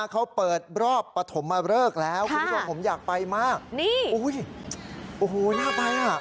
เขาเปิดรอบปฐมเริกแล้วคุณผู้ชมผมอยากไปมากนี่อุ้ยโอ้โหน่าไปอ่ะ